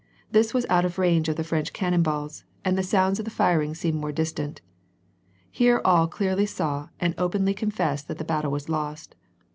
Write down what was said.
This was out of range of the French cannon balls, and the sounds of the firing seemed more distant. Here all clearly saw and openly confessed that the battle was lost.